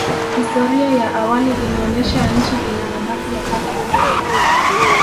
Historia ya awali inaonyesha Nchi ina mabaki ya kale sana